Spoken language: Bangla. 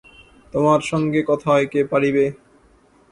তোমার সঙ্গে কথায় কে পারিবে।